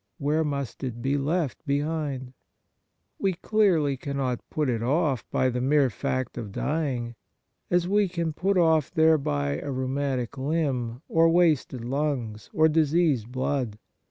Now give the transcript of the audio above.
Where must it be left be hind ? We clearly cannot put it off by the mere fact of dying, as we can put off thereby a rheumatic limb, or wasted lungs, or diseased blood.